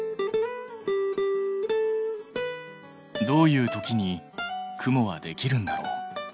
どういう時に雲はできるんだろう？